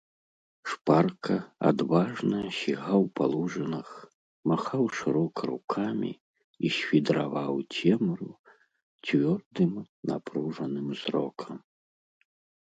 Шпарка, адважна сігаў па лужынах, махаў шырока рукамі і свідраваў цемру цвёрдым напружаным зрокам.